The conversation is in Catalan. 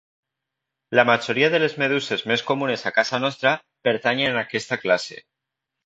La majoria de les meduses més comunes a casa nostra pertanyen a aquesta classe.